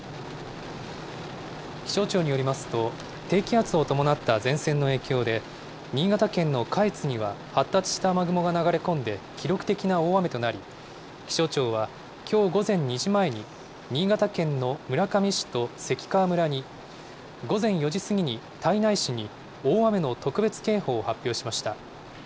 気象庁によりますと、低気圧を伴った前線の影響で、新潟県の下越には、発達した雨雲が流れ込んで、記録的な大雨となり、気象庁は、きょう午前２時前に、新潟県の村上市と関川村に、午前４時過ぎに胎内市に、大雨の特別警報を発表しました。